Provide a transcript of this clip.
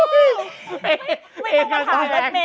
ไม่ต้องมาขามรถแม่นะ